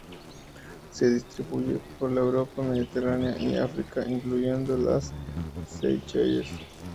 Se distribuye por la Europa mediterránea y África, incluyendo las Seychelles.